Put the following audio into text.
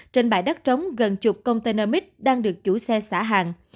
trên bãi đất trống gần chục container mít đang được chủ xe xả hàng